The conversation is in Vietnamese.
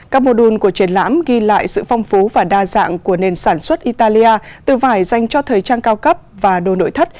các mô đun của triển lãm ghi lại sự phong phú và đa dạng của nền sản xuất italia từ vải dành cho thời trang cao cấp và đồ nội thất